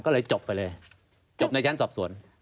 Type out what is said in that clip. ก็เลยจบไปเลยจบในชั้นสอบสวน